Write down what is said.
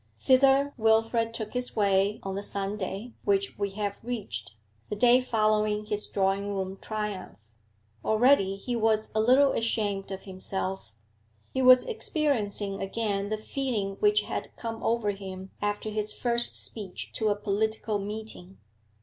Thither Wilfrid took his way on the Sunday which we have reached, the day following his drawing room triumph. Already he was a little ashamed of himself; he was experiencing again the feeling which had come over him after his first speech to a political meeting.